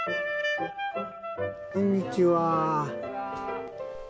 こんにちは。